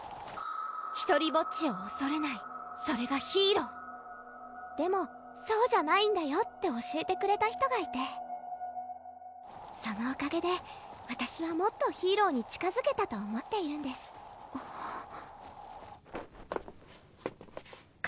ひとりぼっちをおそれないそれがヒーローでもそうじゃないんだよって教えてくれた人がいてそのおかげでわたしはもっとヒーローに近づけたと思っているんですか